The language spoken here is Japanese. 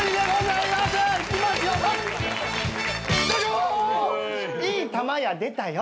いいたまや出たよ！